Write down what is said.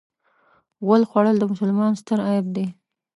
غول خوړل د مسلمان ستر عیب دی.